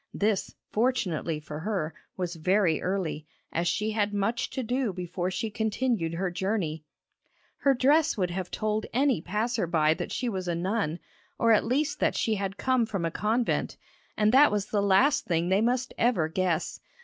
This, fortunately for her, was very early, as she had much to do before she continued her journey. Her dress would have told any passer by that she was a nun, or at least that she had come from a convent, and that was the last thing they must ever guess!